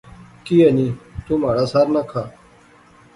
کی ایہہ نی، تو مہاڑا سر نہ کھا